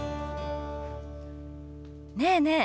ねえねえ